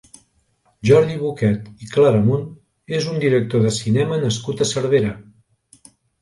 Jordi Boquet i Claramunt és un director de cinema nascut a Cervera.